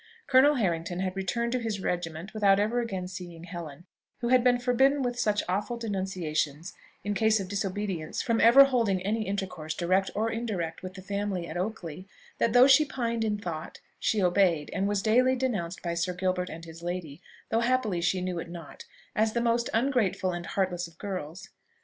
Colonel Harrington had returned to his regiment without ever again seeing Helen, who had been forbidden with such awful denunciations in case of disobedience from ever holding any intercourse direct or indirect with the family at Oakley, that though she pined in thought, she obeyed, and was daily denounced by Sir Gilbert and his lady, though happily she knew it not, as the most ungrateful and heartless of girls.